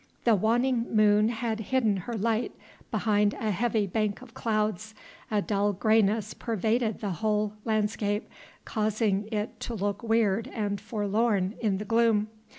The waning moon had hidden her light behind a heavy bank of clouds, a dull greyness pervaded the whole landscape, causing it to look weird and forlorn in the gloom.